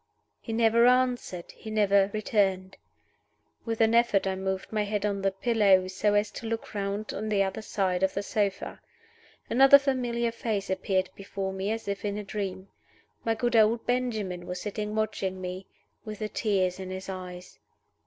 He never answered; he never returned. With an effort I moved my head on the pillow, so as to look round on the other side of the sofa. Another familiar face appeared before me as if in a dream. My good old Benjamin was sitting watching me, with the tears in his eyes.